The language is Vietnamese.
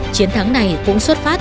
chiến thắng này cũng xuất phát